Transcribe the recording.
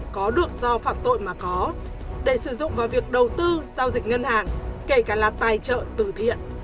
có được do phạm tội mà có để sử dụng vào việc đầu tư giao dịch ngân hàng kể cả là tài trợ từ thiện